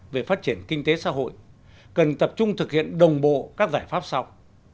về phát triển kinh tế xã hội cần tập trung thực hiện đồng bộ các giải pháp sau